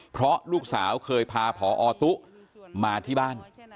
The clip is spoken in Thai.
เพราะลูกสาวเคยพาผอตุ๊มาที่บ้าน